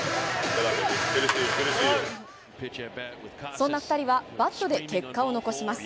そんな２人はバットで結果を残します。